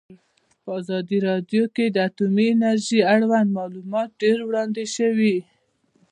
په ازادي راډیو کې د اټومي انرژي اړوند معلومات ډېر وړاندې شوي.